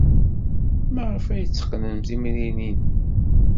Maɣef ay tetteqqnemt timrinin?